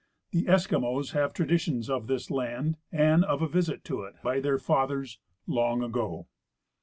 The Eskimos have traditions of this land and of a visit to it by their fathers " long ago."